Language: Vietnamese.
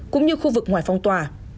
cũng như khu vực ngoài phong tòa